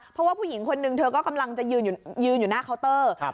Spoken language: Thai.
เพราะว่าผู้หญิงคนนึงเธอก็กำลังจะยืนอยู่หน้าเคาน์เตอร์